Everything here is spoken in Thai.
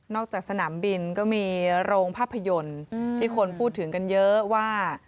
จากสนามบินก็มีโรงภาพยนตร์ที่คนพูดถึงกันเยอะว่า